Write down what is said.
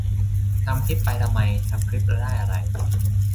ทำคลิปไปทำไม ทำคลิปแล้วได้อะไร